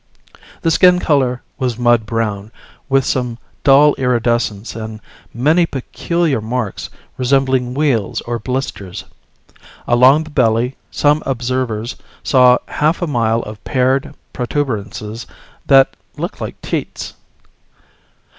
The skin color was mud brown with some dull iridescence and many peculiar marks resembling weals or blisters. Along the belly some observers saw half a mile of paired protuberances that looked like teats.